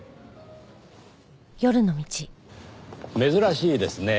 珍しいですねぇ